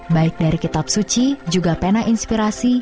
baik dari kitab suci juga pena inspirasi